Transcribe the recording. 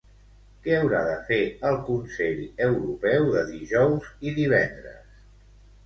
Què haurà de fer el Consell Europeu de dijous i divendres?